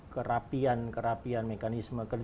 kerapian kerapian mekanisme kerja